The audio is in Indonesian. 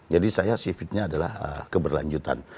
jadi saya sifatnya adalah keberlanjutan